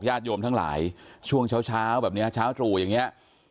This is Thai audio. ยาติโยมทั้งหลายช่วงเช้าเช้าแบบเนี้ยเช้าถูอย่างเงี้ย